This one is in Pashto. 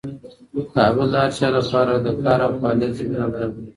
کابل د هر چا لپاره د کار او فعالیت زمینه برابروي.